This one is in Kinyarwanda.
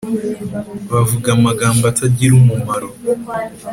Bavuga amagambo atagira umumaro